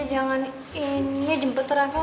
jangan ini jemput reva